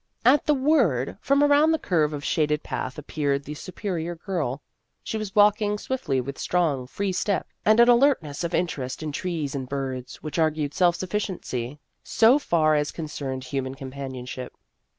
At the word, from around the curve of shaded path appeared the Superior Girl. ,She was walking swiftly with strong, free step, and an alertness of interest in trees and birds which argued self sufficiency so far as concerned human companionship.